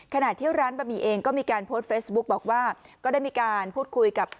ขณะที่ร้านบะหมี่เองก็มีการโพสต์เฟซบุ๊กบอกว่าก็ได้มีการพูดคุยกับ